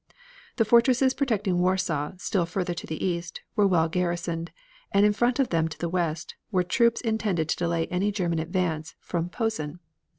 The fortresses protecting Warsaw, still further to the east, were well garrisoned, and in front of them to the west were troops intended to delay any German advance from Posen.